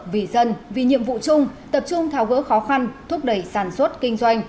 vì dân vì nhiệm vụ chung tập trung tháo gỡ khó khăn thúc đẩy sản xuất kinh doanh